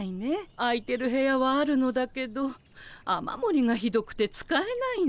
空いてる部屋はあるのだけど雨もりがひどくて使えないの。